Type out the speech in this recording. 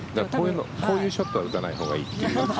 こういうショットは打たないほうがいいという。